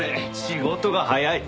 仕事が早い。